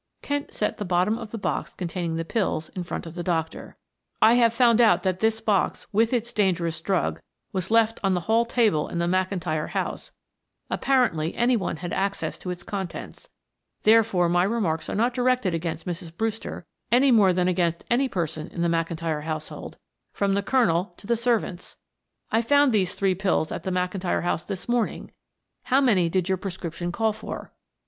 Kent set the bottom of the box containing the pills in front of the doctor. "I have found out that this box, with its dangerous drug, was left on the hall table in the McIntyre house; apparently any one had access to its contents, therefore my remarks are not directed against Mrs. Brewster any more than against any person in the McIntyre household, from the Colonel to the servants. I found these three pills at the McIntyre house this morning; how many did your prescription call for?"